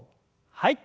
はい。